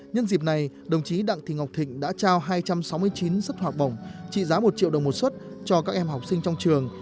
nhân dịp này đồng chí đặng thịnh ngọc thịnh đã trao hai trăm sáu mươi chín sức hoạt bổng trị giá một triệu đồng một suất cho các em học sinh trong trường